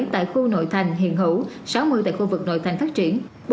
một mươi bảy tại khu nội thành hiện hữu sáu mươi tại khu vực nội thành phát triển